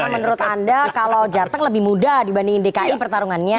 karena menurut anda kalau jarteng lebih mudah dibandingin dki pertarungannya